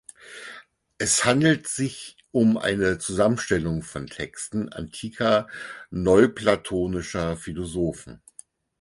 Es handelt sich um eine Zusammenstellung von Texten antiker neuplatonischer Philosophen.